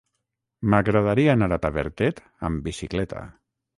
M'agradaria anar a Tavertet amb bicicleta.